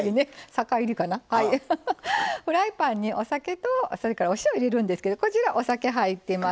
フライパンにお酒とそれからお塩入れるんですけどこちらお酒入ってます。